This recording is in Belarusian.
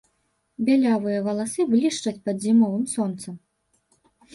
Бялявыя валасы блішчаць пад зімовым сонцам.